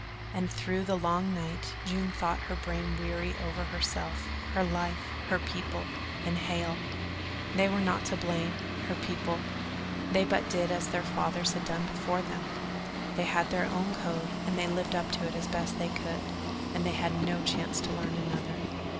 And through the long night June thought her brain weary over herself, her life, her people, and Hale. They were not to blame her people, they but did as their fathers had done before them. They had their own code and they lived up to it as best they could, and they had had no chance to learn another.